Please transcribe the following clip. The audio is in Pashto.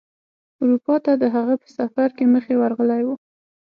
اروپا ته د هغه په سفر کې مخې ورغلی و.